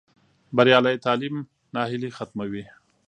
بریالی تعلیم ناهیلي ختموي.